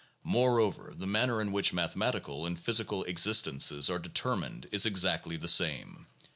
Moreover, the manner in which mathematical and physical existences are determined is ex actly the same.